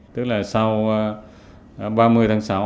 tức là sau ba mươi tháng sáu